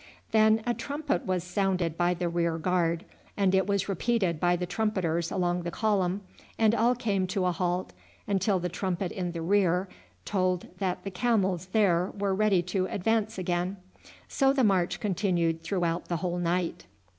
Then a trumpet was sounded by the rear guard, and it was repeated by the trumpeters along the column, and all came to a halt until the trumpet in the rear told that the camels there were ready to advance again. So the march continued throughout the whole night.